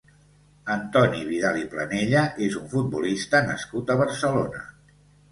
Antoni Vidal i Planella és un futbolista nascut a Barcelona.